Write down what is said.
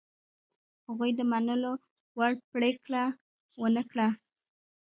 هغوی د منلو وړ پرېکړه ونه کړه.